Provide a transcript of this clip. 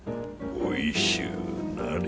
おいしゅうなれ。